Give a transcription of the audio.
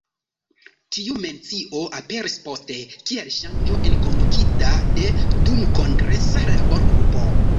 Tiu mencio aperis poste, kiel ŝanĝo enkondukita de dumkongresa laborgrupo.